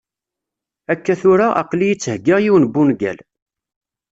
Akka tura, aql-iyi ttheggiɣ yiwen n wungal.